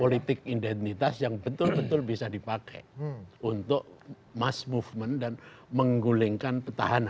politik identitas yang betul betul bisa dipakai untuk mass movement dan menggulingkan petahana